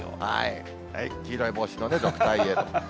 黄色い帽子のドクターイエロー。